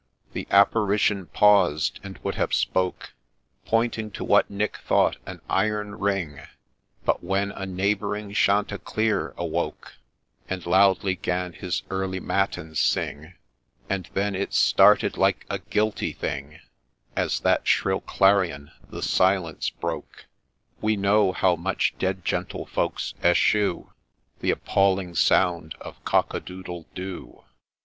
— The Apparition paused, and would have spoke, Pointing to what Nick thought an iron ring, But then a neighbouring chanticleer awoke, And loudly 'gan his early matins sing ; And then ' it started like a guilty thing,' As that shrill clarion the silence broke. — We know how much dead gentlefolks eschew The appalling sound of ' Cock a doodle do !